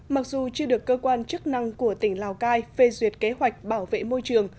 mặc dù chưa được cơ quan chức năng của tỉnh lào cai phê duyệt kế hoạch bảo vệ môi trường